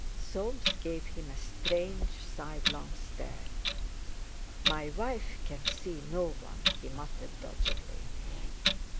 Soames gave him a strange, sidelong stare. "My wife can see no one," he muttered doggedly.